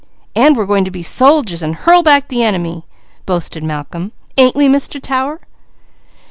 "And we are going to be soldiers, and hurl back the enemy," boasted Malcolm, "ain't we Mr. Tower?"